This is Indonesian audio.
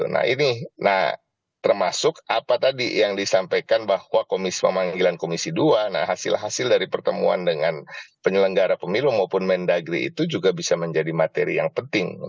nah ini nah termasuk apa tadi yang disampaikan bahwa memanggilan komisi dua hasil hasil dari pertemuan dengan penyelenggara pemilu maupun mendagri itu juga bisa menjadi materi yang penting